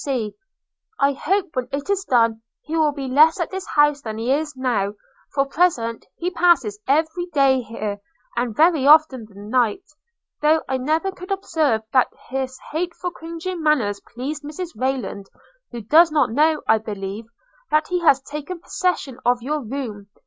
I hope when it is done he will be less at this house than he is now; for, at present, he passes every day here, and very often the night; though I never could observe that his hateful cringing manners pleased Mrs Rayland, who does not know, I believe, that he has taken possession of your room.